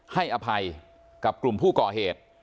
ให้อภัยกับกลุ่มผู้ก่อเหตุ